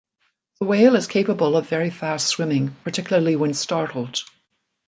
This whale is capable of very fast swimming, particularly when startled.